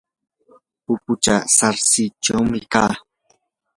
pupuchaw sarsilluyuqmi kaa.